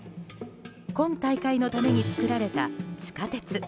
今大会のために作られた地下鉄。